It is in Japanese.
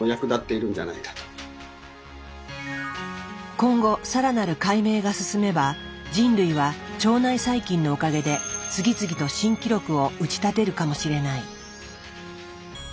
今後更なる解明が進めば人類は腸内細菌のおかげで次々と新記録を打ち立てるかもしれない。